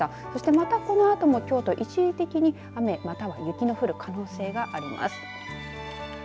そして、またこのあとも京都、一時的に雨または雪の降る可能性があります。